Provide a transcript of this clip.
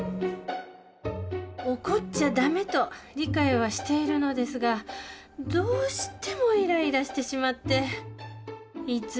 怒っちゃダメと理解はしているのですがどうしてもイライラしてしまっていつも自己嫌悪です